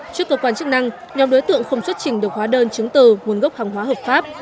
trước cơ quan chức năng nhóm đối tượng không xuất trình được hóa đơn chứng từ nguồn gốc hàng hóa hợp pháp